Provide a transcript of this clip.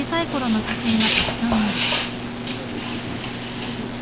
フフッ。